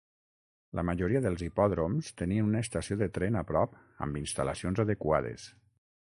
La majoria dels hipòdroms tenien una estació de tren a prop amb instal·lacions adequades.